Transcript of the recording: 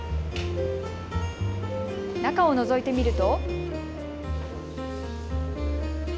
中をのぞいてみると。